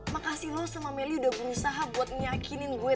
makasih lo sama meli udah berusaha buat ngeyakinin gue